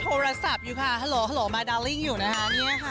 โทรศัพท์อยู่ค่ะฮัลโหลฮัลโหลมาดาลิ่งอยู่นะคะเนี่ยค่ะ